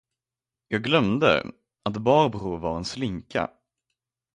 Jag glömde, att Barbro var en slinka.